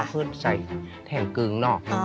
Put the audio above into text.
เพื่อคือใส่แถ่งกึงหน้า